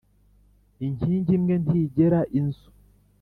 “inkingi imwe ntigera inzu”.